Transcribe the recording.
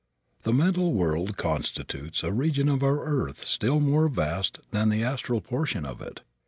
The mental world constitutes a region of our earth still more vast than the astral portion of it.